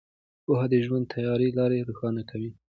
پوهه د ژوند تیاره لارې روښانه کوي.